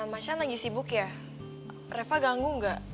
machan lagi sibuk ya reva ganggu enggak